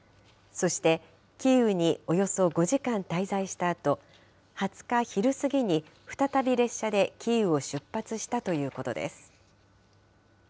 そしてキーウにおよそ５時間滞在したあと、２０日昼過ぎに再び列車でキーウを出発したということです。